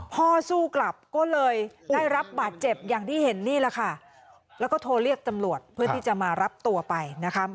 สู้กลับก็เลยได้รับบาดเจ็บอย่างที่เห็นนี่แหละค่ะแล้วก็โทรเรียกตำรวจเพื่อที่จะมารับตัวไปนะคะ